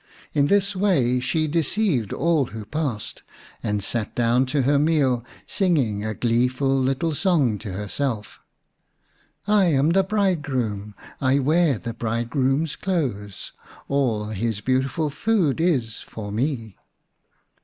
In this way 59 The Unnatural Mother vi she deceived all who passed, and sat down to her meal, singing a gleeful little song to herself :" I am the bridegroom, I wear the bridegroom's clothes, All his beautiful food is for me."